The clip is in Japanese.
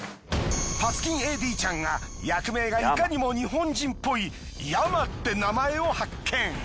パツキンＡＤちゃんが役名がいかにも日本人っぽいＹＡＭＡって名前を発見。